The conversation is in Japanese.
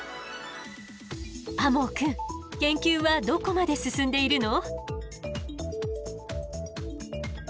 天羽くん研究はどこまで進んでいるの？